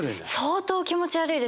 相当気持ち悪いですね。